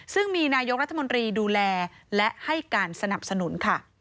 ซึ่งมีนายกรัฐมนตรีดูแลและให้การสนับสนุนค่ะ